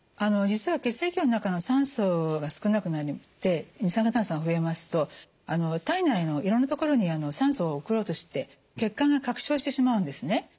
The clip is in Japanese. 実は血液の中の酸素が少なくなって二酸化炭素が増えますと体内のいろんな所に酸素を送ろうとして血管が拡張してしまうんですね。